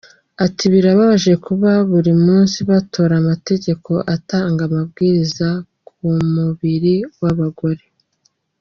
Ati ‘‘Birababaje kuba buri munsi batora amategeko atanga amabwiriza ku mubiri w’abagore.